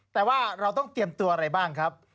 แต่ว่าเราต้องเตรียมตัวอะไรบ้างครับ